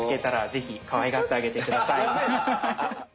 アハハハ！